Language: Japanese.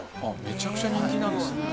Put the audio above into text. めちゃくちゃ人気なんですね。